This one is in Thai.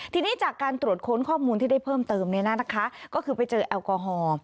ทีนี้จากการตรวจค้นข้อมูลที่ได้เพิ่มเติมก็คือไปเจอแอลกอฮอล์